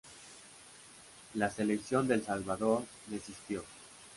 La selección de El Salvador desistió.